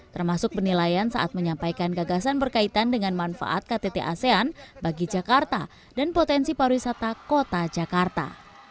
termasuk penilaian saat menyampaikan gagasan berkaitan dengan manfaat ktt asean bagi jakarta dan potensi pariwisata kota jakarta